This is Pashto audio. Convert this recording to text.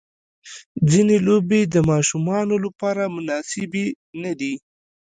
ځینې لوبې د ماشومانو لپاره مناسبې نه دي.